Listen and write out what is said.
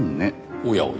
おやおや。